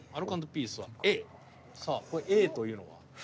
さあこれ「Ａ」というのは？